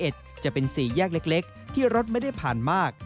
จะเป็นสีแยกที่รถไม่ได้ผ่านมาก